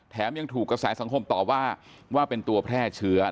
ยังถูกกระแสสังคมต่อว่าว่าเป็นตัวแพร่เชื้อ